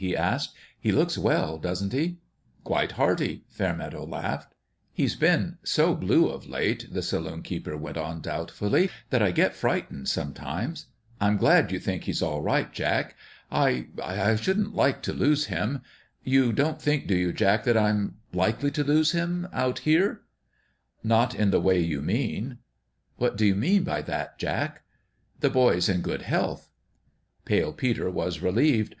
" he asked. " He looks well, doesn't he ?"" Quite hearty," Fairmeadow laughed. " He's been so blue, of late," the saloon keeper went on, doubtfully, " that I get frightened, sometimes. I'm glad you think he's all right, Jack. I I shouldn't like to lose him. You don't think, do you, Jack, that I'm likely to lose him, out here ?"" Not in the way you mean." " What do you mean by that, Jack ?"" The boy's in good health." Pale Peter was relieved.